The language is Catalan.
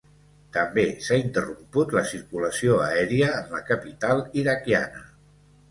També s’ha interromput la circulació aèria en la capital iraquiana.